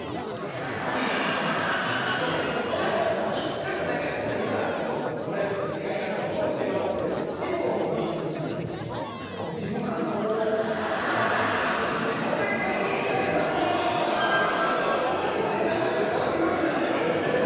ちょっとなんか今はちょっとプライベートの時間やからとか思うんですけど地方に行った時はもう自分からこうしゃべりかけに行きたいなぐらいのそういう気持ちすごい広い気持ちになるんですよ。